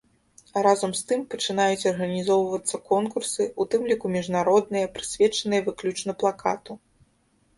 Разам з тым, пачынаюць арганізоўвацца конкурсы, у тым ліку міжнародныя, прысвечаныя выключна плакату.